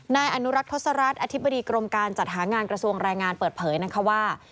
นายอนุรักษ์ทศรัฐอธิบดีกรมการจัดหางานกระทรวงแรงงานเปิดเผยนะคะว่า